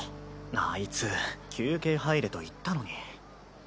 あいつ休憩入れと言ったのに。